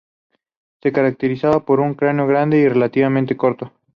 Se caracterizaba por un cráneo grande y relativamente corto.